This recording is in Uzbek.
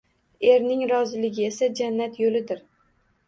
Erning roziligi esa jannat yo‘lidir